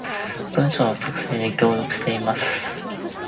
文章の作成に協力しています